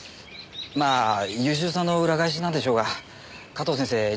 まあ優秀さの裏返しなんでしょうが加藤先生